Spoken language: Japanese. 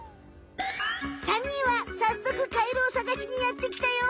３にんはさっそくカエルをさがしにやってきたよ。